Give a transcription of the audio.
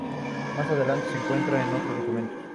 Más adelante se encuentra en otros documentos.